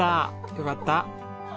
よかった。